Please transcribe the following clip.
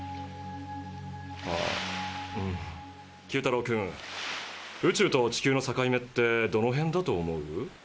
九太郎君宇宙と地球の境目ってどの辺だと思う？